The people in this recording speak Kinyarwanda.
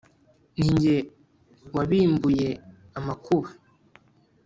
Ni jye wabimbuye amakuba